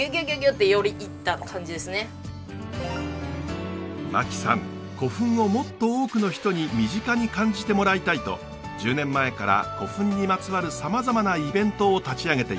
そういう方にも何か牧さん古墳をもっと多くの人に身近に感じてもらいたいと１０年前から古墳にまつわるさまざまなイベントを立ち上げています。